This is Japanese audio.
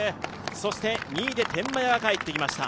そして、２位で天満屋が帰ってきました。